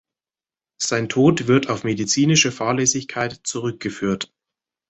Sein Tod wird auf medizinische Fahrlässigkeit zurückgeführt.